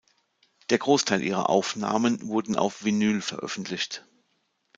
Der Großteil ihrer Aufnahmen wurden auf Vinyl veröffentlicht.